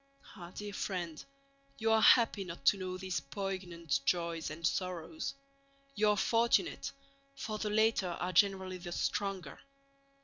Ah, dear friend, you are happy not to know these poignant joys and sorrows. You are fortunate, for the latter are generally the stronger!